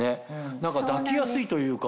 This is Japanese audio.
何か抱きやすいというか。